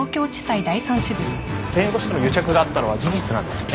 弁護士との癒着があったのは事実なんですよね？